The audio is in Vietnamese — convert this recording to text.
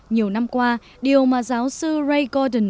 nhiều năm qua điều mà giáo sư ray gordon